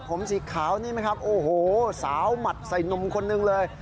ผมสีขาวนี่ไหมครับโอ้โหสาวหมัดใส่หนุ่มคนนึงเลย